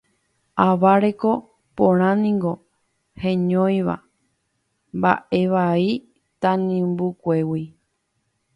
Ava reko porãniko heñóiva mba'evai tanimbukuégui